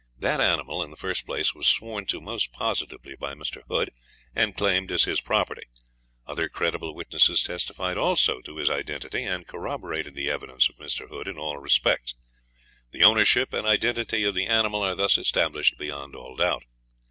That animal, in the first place, was sworn to most positively by Mr. Hood, and claimed as his property. Other credible witnesses testified also to his identity, and corroborated the evidence of Mr. Hood in all respects; the ownership and identity of the animal are thus established beyond all doubt.